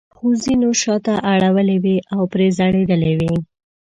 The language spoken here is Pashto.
خو ځینو شاته اړولې وې او پرې ځړېدلې وې.